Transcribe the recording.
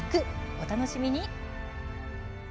お楽しみに。